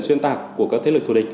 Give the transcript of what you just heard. xuyên tạc của các thế lực thủ địch